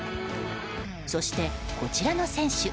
そして、こちらの選手。